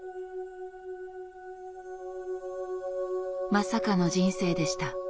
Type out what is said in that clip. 「まさかの人生でした」